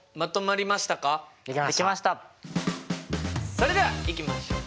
それではいきましょう。